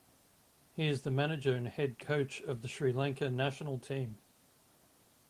He is the manager and the head coach of the Sri Lanka national team.